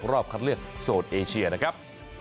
ธุมโลกรอบคัดเลือกโซดเอเชียนะครับ